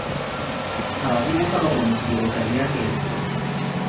Abavubuka bagwa mu kigero kya myaka emeka?